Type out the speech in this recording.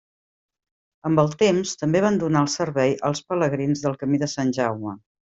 Amb el temps, també van donar el servei als pelegrins del Camí de Sant Jaume.